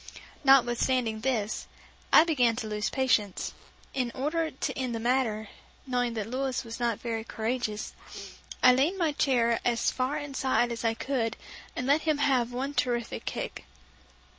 Notwithstanding this, I began to lose patience, and in order to end the matter, knowing that Louis was not very courageous, I leaned my chair as far inside as I could and let him have one terrific kick.